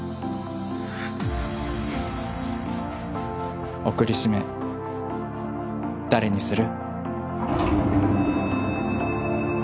ふっ送り指名誰にする？